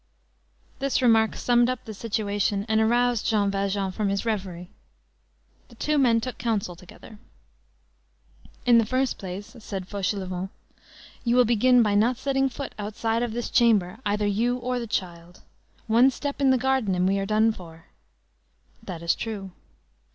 This remark summed up the situation and aroused Jean Valjean from his reverie. The two men took counsel together. "In the first place," said Fauchelevent, "you will begin by not setting foot outside of this chamber, either you or the child. One step in the garden and we are done for." "That is true."